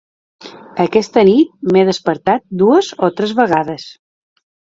Aquesta nit m'he despertat dues o tres vegades.